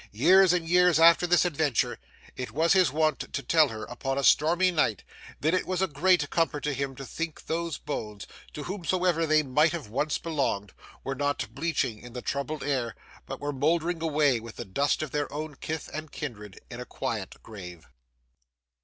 Years and years after this adventure, it was his wont to tell her upon a stormy night that it was a great comfort to him to think those bones, to whomsoever they might have once belonged, were not bleaching in the troubled air, but were mouldering away with the dust of their own kith and kindred in a quiet grave.